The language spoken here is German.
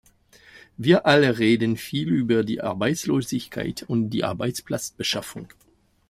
Wir alle reden viel über die Arbeitslosigkeit und die Arbeitsplatzbeschaffung.